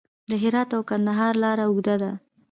د هرات او کندهار لاره اوږده ده